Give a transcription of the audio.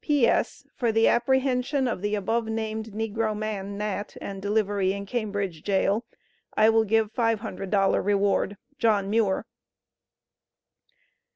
P.S. For the apprehension of the above named negro man Nat, and delivery in Cambridge Jail, I will give $500 reward. JOHN MUIR.